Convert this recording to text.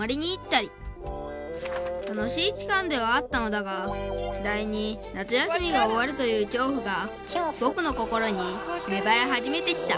「たのしい期間ではあったのだがしだいに夏休みがおわるというきょうふがぼくの心にめばえ始めてきた」。